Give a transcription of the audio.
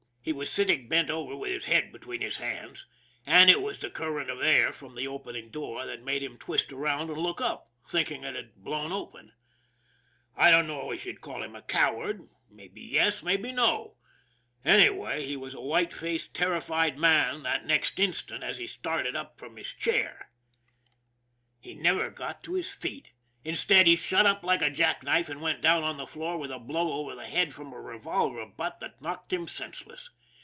He was sitting bent over with his head between his hands, and it was the current of air from the opening door that made him twist around and look up, thinking it had blown open. I don't know as you'd call him a coward; maybe yes, maybe no ; anyway, he was a white faced, terrified man that next instant, as he started up from his chair. He 252 ON THE IRON AT BIG CLOUD never got to his feet. Instead, he shut up like a jack knife, and went down to the floor with a blow over the head from a revolver butt that knocked him sense less.